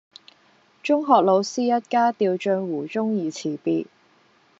中學老師一家掉進湖中而辭別